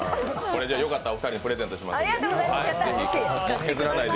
これ、よかったらお二人にプレゼントしますから。